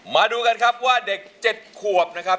มาดูกันครับว่าเด็ก๗ขวบนะครับ